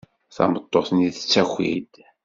Tameṭṭut-nni tettaki-d.